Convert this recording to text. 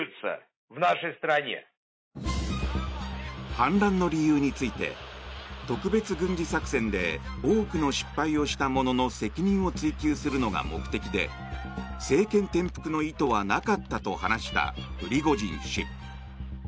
反乱の理由について特別軍事作戦で多くの失敗をした者の責任を追及するのが目的で政権転覆の意図はなかったと話したプリゴジン氏。